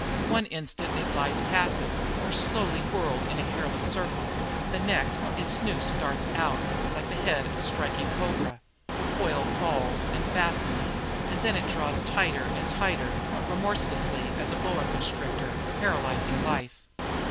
One instant it lies passive, or slowly whirled in a careless circle the next its noose darts out like the head of a striking cobra, the coil falls and fastens, and then it draws tighter and tighter, remorselessly as a boa constrictor, paralyzing life.